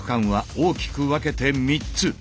大きく分けて３つ。